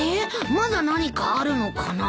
まだ何かあるのかな？